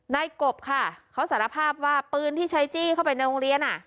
กบค่ะเขาสารภาพว่าปืนที่ใช้จี้เข้าไปในโรงเรียน